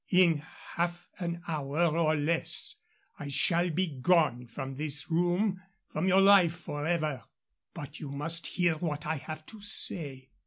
"In half an hour or less I shall be gone from this room, from your life forever. But you must hear what I have to say."